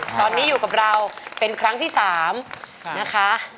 ตอนนี้อยู่กับเราเป็นครั้งที่๓นะคะ